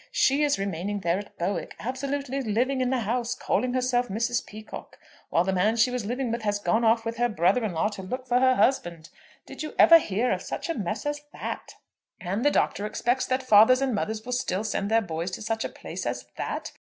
She is remaining there at Bowick, absolutely living in the house, calling herself Mrs. Peacocke, while the man she was living with has gone off with her brother in law to look for her husband! Did you ever hear of such a mess as that? "And the Doctor expects that fathers and mothers will still send their boys to such a place as that?